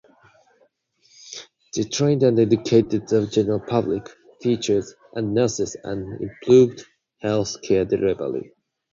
They trained and educated the general public, teachers, and nurses and improved health-care delivery.